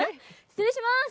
失礼します。